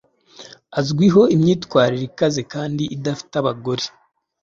Azwiho imyitwarire ikaze kandi idafite abagore